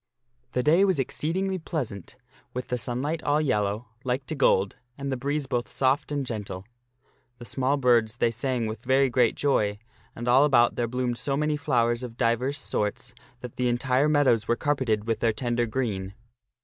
The day was exceedingly pleasant with the sunlight all yellow, like to gold, and the breeze both soft and gentle. The small birds they sang with very great joy, and all about there bloomed so many flowers of divers sorts that the entire meadows were carpeted with their tender green.